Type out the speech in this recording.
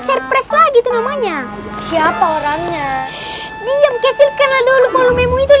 surprise lagi namanya siapa orangnya diam kecil karena dulu volumemu itu